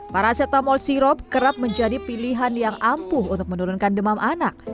paracetamol sirop kerap menjadi pilihan yang ampuh untuk menurunkan demam anak